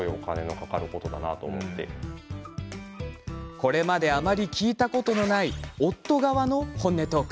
これまであまり聞いたことのない夫側の本音トーク。